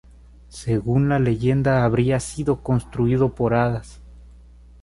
Según la leyenda habría sido construido por hadas.